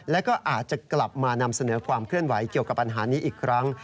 และก็อาจจะกลับมานำเสนอความเคลื่อนไหวเกี่ยวกับปัญหานี้อีกครั้ง